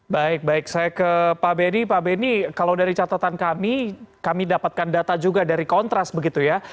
baik baik saya ke pak benny pak beni kalau dari catatan kami kami dapatkan data juga dari kontras begitu ya